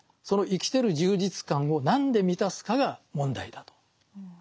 その生きてる充実感を何で満たすかが問題だと。